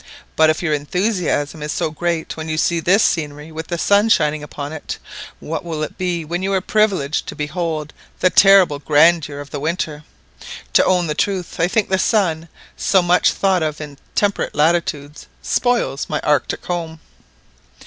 But if your enthusiasm is so great when you see this scenery with the sun shining upon it, what will it be when you are privileged to behold the terrible grandeur of the winter? To own the truth, I think the sun, so much thought of in temperate latitudes, spoils my Arctic home."